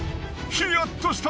ヒヤッとした！